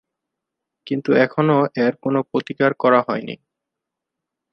কিন্তু এখনও এর কোনো প্রতিকার করা হয়নি।